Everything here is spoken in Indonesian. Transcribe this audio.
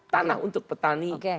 tanah untuk petani